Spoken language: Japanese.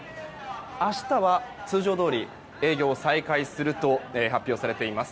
明日は通常どおり営業再開すると発表されています。